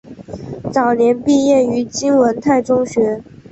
早年毕业于金文泰中学。